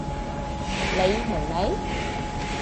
你明未？